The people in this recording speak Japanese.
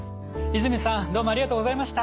泉さんどうもありがとうございました。